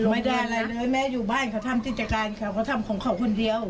ไม่ได้อะไรเลยแม่อยู่บ้านเขาทำกิจการเขาเขาทำของเขาคนเดียว